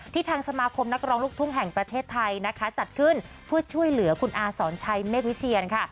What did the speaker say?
ทางสมาคมนักร้องลูกทุ่งแห่งประเทศไทยนะคะจัดขึ้นเพื่อช่วยเหลือคุณอาสอนชัยเมฆวิเชียนค่ะ